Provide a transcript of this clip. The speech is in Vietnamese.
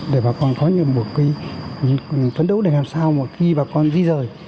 để bà con có những phấn đấu để làm sao khi bà con di rời